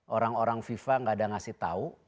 orang orang fifa gak ada ngasih tahu